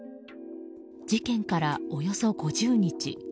事件から、およそ５０日。